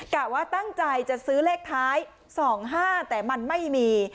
กะว่าตั้งใจจะซื้อเลขท้าย๒๕แต่มันไม่มี